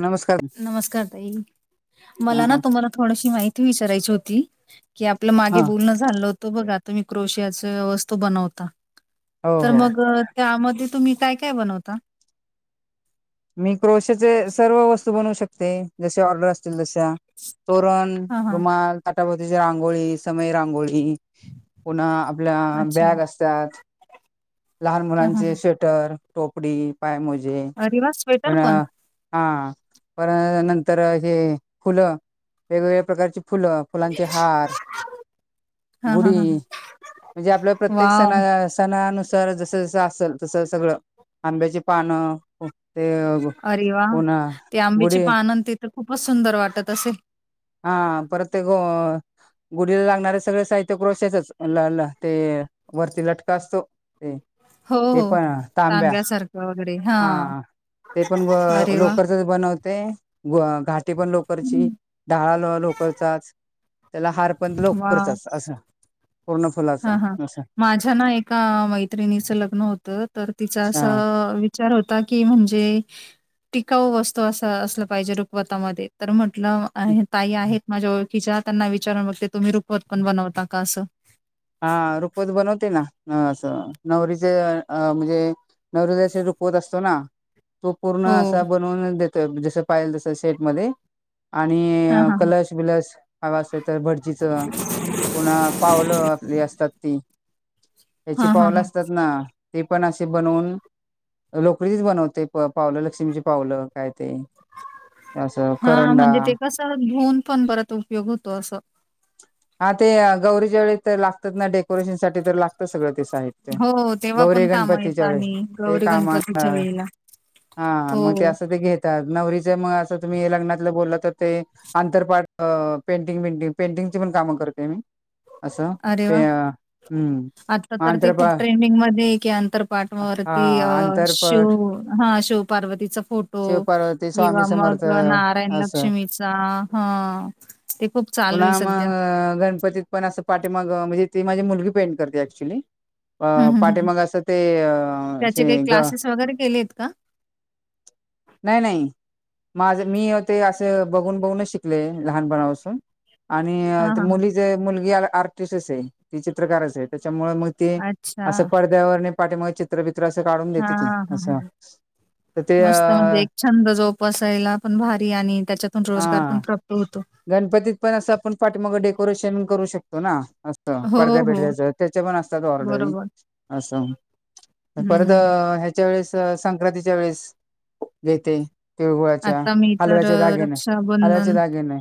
नमस्कार नमस्कार ताई. मला ना हा तुम्हाला थोडीशी माहिती विचारायची होती कि आपलं मागे बोलणं झालं होतं बघा तुम्ही क्रोशियाच वस्तू बनवता हो तर हो मग त्यामध्ये तुम्ही काय काय बनवता मी क्रोशेचे सर्व वस्तू बनवू शकते जसे ऑर्डर असते तील तशा तोरण, हां, हां. रुमाल, ताटाभोवतीच्या रांगोळी, समय रांगोळी पुन्हा आपल्या अच्छा. बॅग असतात. लहान हां, हां, मुलांचे हां. स्वेटर, टोपडी, पायमोजी अरे वाह! [unintelligible] स्वेटर पण? हा परत नंतर हे फुलं वेगवेगळ्या प्रकारची फुलं, फुलांचे हार हां, हां, गुढी हां, हां. म्हणजे आपल्या प्रत्येक वॉव! सणाला सणानु सार जसं जसं असेल तसं सगळं आंब्याची पानं ते अरे व्वा पुन्हा ते आंब्याचे गुढी पान अन तिथं खूपच सुंदर वाटत असेल हा प्रत्येक गुढीला लागणारे सगळ साहित्य क्रोशेचच ला ला ते वरती लटका असतो हो, ते हो. पण तांब्या तांब्यासारखं वगैरे. हां. हा ते पण व अरे वाह! लोकरचचं बनवत ते गो घाटी पण हं. लोकरची [unintelligible] लोकरचाच त्याला हार पण लोकरचाचं असं पूर्ण हा फुलाचा हा असं माझ्या ना एका मैत्रिणीचं लग्न होतं तर तिचं हा असं वि विचार होता की म्हणजे टिकाऊ वस्तू असा असलं पाहिजे रुखवतामध्ये तर म्ह टल आहे ताई आहेत माझ्या ओळखीच्या त्यांना विचारून बघते तुम्ही रुखवत पण बनवता का असं हा रुखवत बनवते ना अ असं नवरीचे म्हणजे लग्नदिवशी रुखवत असतो ना तो पूर्ण हो. असा बनवून देतो जसं पाहिल तसं शेटमध्येध्ये आणि हां, हां, हां. कलश बिलश हवं असत तर भटजीचं पुन्हा पावलं ती असतात ती याची हां, हां, पाऊल हां. असतात ना ते पण असे बनवून लोकडीचच बनवते पावलं लक्ष्मीची पावलं काय ते असं हा करंडा म्हणजे ते कस धुन पण परत उपयोग होतो असं हा ते गौरी वेळी तर लागतात ना डेकोरेशनसाठी तर लागतात सगळं साहित्य हो, तेव्हा पण गौरी कामं येतं गणपतीच्या वेळेस आणि ते गौरी कामा गणपतीच्या वेळेला. हा मग ते हो. असं ते घेतात नवरीच मग असं तुम्ही लग्नातल बोलला तर ते आंतर पाठ पेंटिंग बेंटिंग पेंटिंग काम करते मी [inaudible] अस् अरे वाह! आता मत्र तर पाठ वरती अ शिव आंतरपट हा शिव पार्वतीचा फोटो शिवपार्वती स्वामी किंवा समर्थ मग नारायण असं लक्ष्मीचा हा ते खूप चालू आहे सध्या तिथं पण असं पाठीमागे म्हणजे ती माझी मुलगी पेंट करते ऍक्च्युल हं, हं, हं. पाठीमागे असं ते त्याचे काही अ ग क्लासेस वगैरे केलेत का? नाही नाही माझ मी हो ते असं बघून बघूनच शिकलोय असं लहानपणापासून हां, आणि हां, हां. मुलीचे मुलगी आर्टिस्ट आहे ते चित्रकारच आहे असे त्या त्यामुळे मग ते अच्छा. असं पडद्यावर पाठीमुळे चित्र तसं काढून देते हां, हां, हां, हां. ते मस्त म्हणजे एक छंद जोपसायला पण भारी आणि त्याच्यातून रोजगार पण हा प्राप्त होतो. गणपतीत पण असं आपण पाठीमागं डेकोरेशन करू शकतो ना असं हो, पडद्या हो. पडद्याचा त्याचे पण असतात ऑर्डर बरोबर. असं हं, परत हं. ह्याच्या वेळेस संक्रांतीच्या वेळेस येते तिळगुळाच्या आता मी तर हलव्याच्या अ, दागिने हलव्याच्या दागिने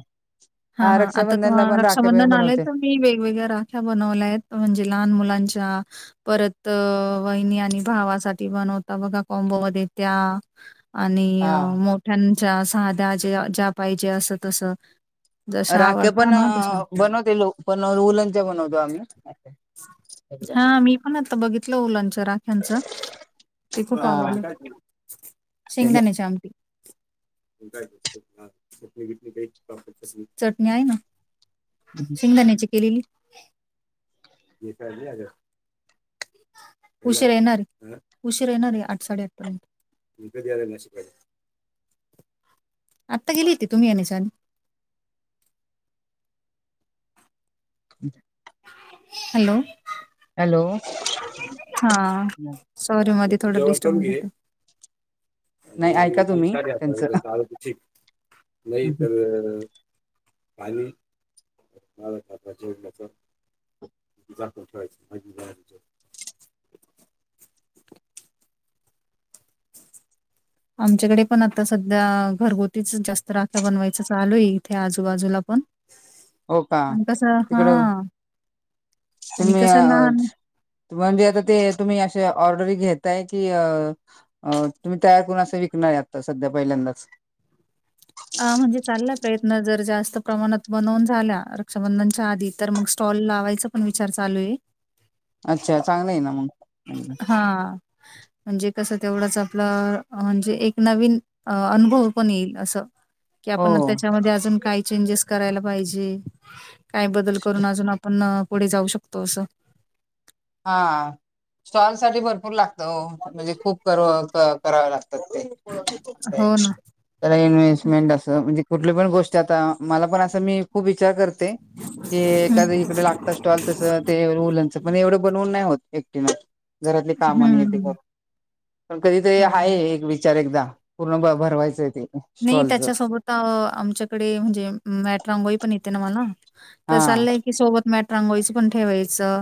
हा हा आता तुहा रक्षाबंधनला पण राखे बी रक्षाबंधन आलंय बनवते. तर मी वेगवेगळ्या राख्या बनवल्या आहेत म्हणजे लहान मुलांच्या च्या परत वहिनी आणि भावासाठी बनवता बघा कॉम्बो मध्ये त्या आणि हा. मोठ्यांच्या साध्या ज्या ज्या पाहिजे असं तसं जशा राखे आवडतात पण ना तशा. बनवते लो पण उलंच्या बनवतो आम्ही हा मी पण आता बघितलं मुलांच्या राख्यांच ते खूप हा. आवडलं शेंगदाण्याची आमटी चटणी आय ना शिंगदाण्याची केलेली [inaudible] काज आज उशीर येणार उशीर येणारे आठ साडेआठपर्यंत [unintelligible] मकधले न शिक आता गेली ती तुम्ही येण्याच्या आधी ह [inaudible] हॅलो. हॅलो हा सॉरी मध्ये थोड डिस्टर्ब [unintelligible] आणि नाही ऐका तुम्ही विीचले आता त्यांचं पयंत आलं त ठीक नाही तर [inaudible] पालीला ज तर [unintelligible] य मज [inaudible] आमच्याकडे पण आता सध्या घरगुतीच जास्त राख्या बनवायच चालूय इथे आजूबाजूला पण हो का आणि कसं हा तिकडं आणि तुम्ही कसं अ लहान म्हणजे आता ते तुम्ही असे ऑर्डर घेत तयार करून असं विकणार आता सध्या पहिल्यांदाच अ म्हणजे चालला प्रयत्न जर जास्त जास्त प्रमाणात बनवून झाल्या रक्षाबंधनच्या आधी तर मग स्टॉल लावायचा पण विचार चालू आहे. अच्छा चांगलं आहे ना मग हा. म्हणजे कसं तेवढाच आपला म्हणजे एक नवीन अनुभव पण येईल असं कि हो आपण त्याच्यामध्ये अजून काही चेंजेस करायला पाहिजे. काय बदल करून अजून आपण अं पुढे जाऊ शकतो असं हा स्टॉल साठी भरपूर लागतं ओ म्हणजे खूप कराव लागतं. हो ना. त्याला इन्व्हेस्टमेंट असं म्हणजे कुठली पण गोष्टी आता मला पण असं मी खूप विचार कर ते हं. एखाद इकडं लागत स्टॉल तस ते वूलनच पण एवढं बनवून नाही होत एकटीन घरातली काम हं, हे ते हं. करुन पण कधीतरी आहे हो. एक विचार चार एकदा पूर्ण भ भरवायचं आहे ते नाही स्टॉलच त्याच्यासोबत अं आमच्याकडे म्हणजे मॅट रांगोळी पण येते ना मला. हा तर चालंय की सोबत मॅट रांगोळीचं पण ठेवायचं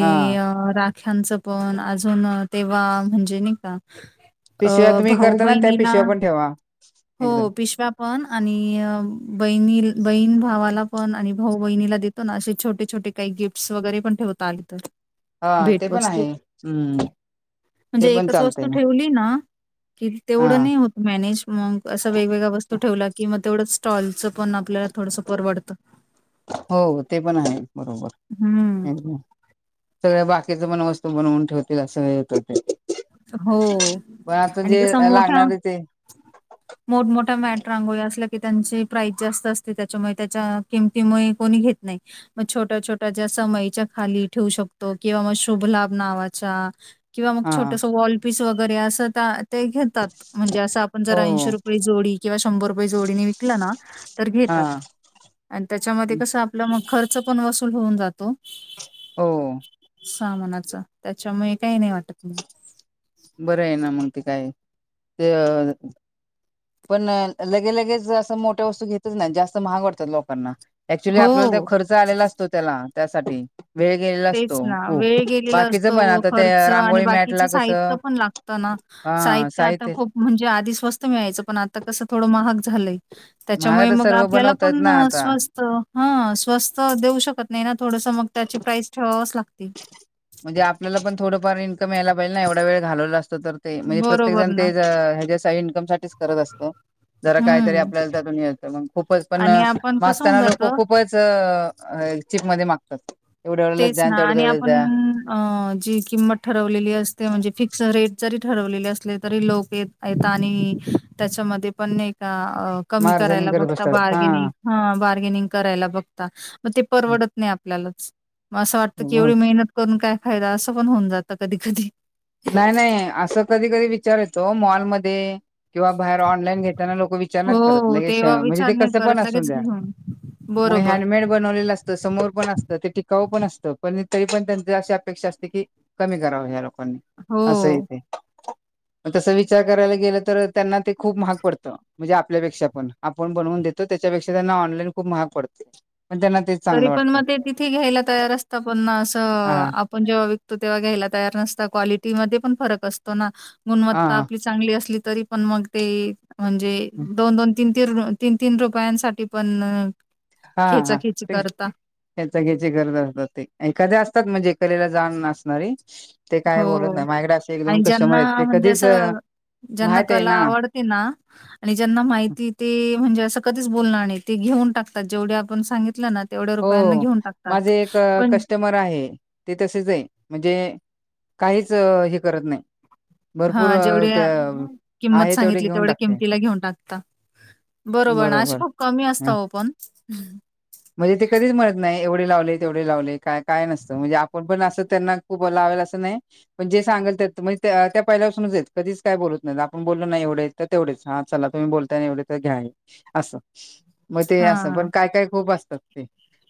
हा अं रा ह्याचं पण अजून अं तेव्हा म्हणजे अ पिशव्या तुम्ही भाऊ करता ना त्या बहिणींना पिशव्या पण ठेवा हो एकदम. पिशव्या पण आणि अं बहिणी बहीण भावाला पण आणि भाऊ बहिणीला देतो ना असे छोटे छोटे काही गिफ्टस वगैरे पण ठेवता आले. हा ते पण भेटवस्तू. आहे हम्म ते म्हणजे पण एकच चालतंय वस्तू ना ठेवली ना. कि हा तेवढं नाही होत मॅनेज मग असं वेगवेगळ्या वस्तू ठेवल्या की मग तेवढं. स्टॉलचं पण आपल्या थोडंसं परवडतं. हो ते पण आहे. हम्म. सगळ्या बा की च पण वस्तू बनवून ठेवतील अस. हो आणि कसं मोठं लागणार ते मोठम मोठ्या मॅट रांगोळ्या असल्य की त्यांची प्राईज जास्त असते त्याच्यामुळे त्याच्या किमतीमुळे कोणी घेत नाही मग छोट्या छोट्या जे समईच्या खाली ठेवू शकतो किंवा मग शुभ लाभ नावाच्या किंवा मग हा छो वॉल पीस वगैरे अस ता ते घेतात म्हणजे असं आपण हो जर ऐंशी रुपये जोडी किंवा शंभर रुपये जोडीने विकला ना तर घेत. हा. आणि त्याच्यामध्ये कसं आपला मग खर्च पण वसूल होऊन जातो. हो. सामानाचा, त्याच्यामुळे काही नाही वाटत मला बरं आहे ना मग ते काय ते अं. पण अं लगे लगेच असं मोठ्या वस्तू घेतच नाही जास्त महाग वाटतात लोकांना ॲक्च्युली आपल्याला त्यो हो. खर्च आलेला असतो त्याला त्यासाठी वेळ गेलेला तेच असतो ना, खूप वेळ गेलेला बाकीच पण असतो, आता ते खर्च आणि रांगोळी बाकीचं मॅटला कसं. साहित्य पण लागतं ना साहित्य आता खुप म्हणजे आधी स्वस्त मिळायच पण आता कसं थोडं महाग झालंय. महाग त्याच्यामुळे तर मग सर्व आपल्याला बनवतात पण ना आता स्वस्त हा स्वस्त देऊ शकत नाही ना थोडस मग त्याची प्राईस ठेवावंच लाग म्हणजे आपल्याला पण थोडंफार इन्कम यायला पाहिजे ना एवढा वेळ घालवला. तर ते म्हणजे प्रत्येक बरोबर जण ते ना. हेज्या इन्कम साठीच करत असतं. जरा काहीतरी हं आपल्याला त्यातून य त मग खूपच पण आणि आपण कसं होऊन मागताना लोक जातं खूपच चीप मध्ये मागतात. [unintelligible] तेच ना आणि आपण द्या अं जी किंमत ठरवलेली असते म्हणजे फिक्स रेट जरी ठरवलेले असले तरी लोक येत येत आणि त्याच्यामध्ये पण एका अं कमी मारझाणी करायला करत बघता बसतात हा. बार्गेनिंग ह बार्गेनिंग करायला बघता मग ते परवडत नाही आपल्याला मग असं वाटतं की एवढी मेहनत करून काय फायदा असं पण होऊन जातं कधी कधी नाही नाही असं कधी कधी विचार येतो मॉलमध्ये. किंवा बाहेर ऑनलाईन घेताना लोक विचार नाही करत हो, ले तेव्हा म्हणजे विचार ते नाही कस पण करत असून लगेच द्या. घेऊन. मग बरोबर. हँडमेड बनवलेलं असतं समोर पण असतं ते टिकाऊ पण असतं पण तरी पण त्यांची अशी अपेक्षा असते की कमी कराव या लोकांनी असं हो. इथे तस विचार करायला गेलं तर त्यांना ते खूप महाग पडतं म्हणजे आपल्यापेक्षा पण आपण बनून देतो त्याच्यापेक्षा त्यांना ऑनलाईन खूप महाग पडते. पण त्यांना तेच तरी चांगलं पण वाटतं मग ते तिथे घ्यायला तयार असत पण ना असं हा आपण जेव्हा तेव्हा घ्यायला तयार नसतं क्वालिटी मध्ये पण फरक असतो ना हा गुणवत्ता आपली चांगली असली. तरी पण मग ते म्हणजे दोन दोन तीन तीन तीन रुपयांसाठी पण खेचाखेची. करता. घ्याची गरज असतात ते एखाद्या असतात म्हणजे कलेला जाण नसणारी ते काय बोलत हो नाही माझ्याकडे असे एक दोन आणि कस्टमर ज्यांना आहेत ते म्हणजे कधीच असं ज्यांना माहित आहे कला ना आवडते ना, आणि ज्यांना माहिती ते म्हणजे असं कधीच बोलणार नाही, ते घेऊन टाकतात जेवढे आपण सांगितलं ना, तेवढ्या रुपयांना हो, घेऊन टाकतात. माझे एक पण कस्टमर आहे ते तसेच आहे म्हणजे काहीच अ हे करत नाही. हा भरपूर अ, जेवढ्या त्या किंमत आहे तेवढे सांगितली घेऊन तेवढ्या टाकते. किंमतीला घेऊन टाकता. बरोबर ना अशी खूप कमी असतं ओ पण. म्हणजे ते कधीच म्हणत नाही एवढे लावले तेवढे लावले, काय काय नसतं म्हणजे आपण पण अस त्यांना खूप लावेल असं नाही, पण जे सांगितले त्या पहिल्या पासूनच आहेत कधीच काय बोलत नाहीत आपण बोलं ना एवढे तर तेवढेच हा चला तुम्ही बोलताय एवढे तर घ्या असं मग ते असं, हां, पण काय काय खूप अस ते,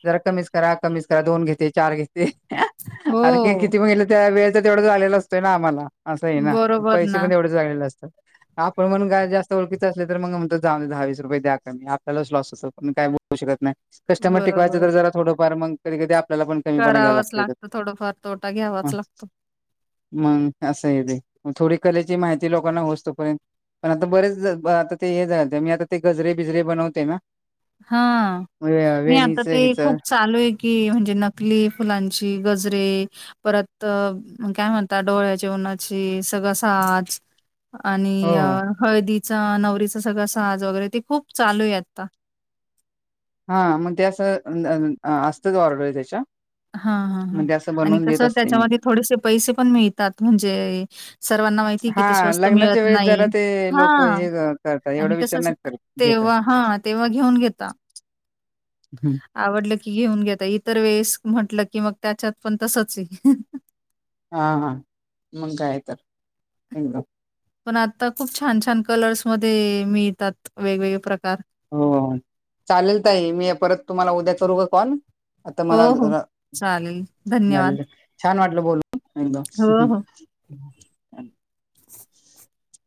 जरा कमीच करा कमीच करा दोन घेते चार घेते हो, अरे हे किती बघितलं तरी त्या वेळचा तेवढाच आलेला असतोय ना आम्हाला. असं आहे ना बरोबर पैसे ना. पण एवढंच लागलेलं असतं. आपण पण काय जास्त ओळखीच असले तर मग म्हणत जाऊ दहावीस रुपये द्या कमी, आपल्यालाच लॉस होतो पण काय बोलू शकत नाही. कस्टमर टिकवायचा बरोबर. तर जरा थोडफार मग कधी कधी आ आपल्याला पण कमीपणा घ्यायला करावंच लागतोय. लागतं थोडंफार तोटा हा घ्यावाच लागतो. मग असंय ते, थोडी कलेची माहिती लोकांना होस्तोपर्यंत पण आता बरेच आता ते हे झालं मी आता ते गजरे बिजरे बनवते ना, हा वे- नाही आता वेणीचं ते ह्याचं खूप चालू आहे की, म्हणजे नकली फुलांची गजरे परत काय म्हणतात डोळ्याची उन्हाची सगळं साज आणि हो हळदीचा नवरीच सगळं साज वगैरे ते खूप चालू आहे आता. हा मग त्या असं असतात ऑर्डरी त्याच्या, हा हा ह, मग ते असं आणि बनवून देत कसं असते मी त्याच्यामध्ये थोडेसे पैसे पण मिळतात, म्हणजे सर्व ना माहिती कि ते हा स्वस्त मिळत लग्नाच्या वेळेस नाही, जरा ते हा लोक हे करतात एवढा आणि विचार कसं नाहीत करत घेतात तेव्हा हा तेव्हा घेऊन घेता, आवडलं की घेऊन घेता इतर वेळेस म्हंटलं की मग त्याच्यात पण तसंच आहे. हा हा मग काय तर. पण आता खूप छान छान कलर्स मध्ये मिळतात, वेगवेगळे प्रकार. हो चालेल ताई, मी परत तुम्हाला उद्या करू का कॉल? आता हो, मला हो. जरा, चालेल. धन्यवाद. झाले छान वाट बोलून हो, हो. एकदम [unintelligible]